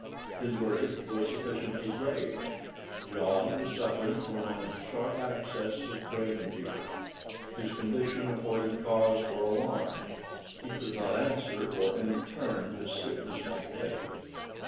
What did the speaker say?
His verdict was sufficiently grave: John was suffering from a sharp access of brain fever; his condition afforded cause for alarm; he could not answer for any turn his sickness might take.